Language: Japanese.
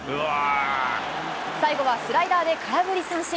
最後はスライダーで空振り三振。